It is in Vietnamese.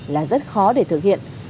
là rất khó để thực hiện